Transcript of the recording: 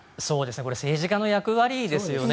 政治家の役割ですよね。